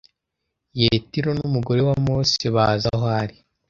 Yetiro n umugore wa Mose baza aho ari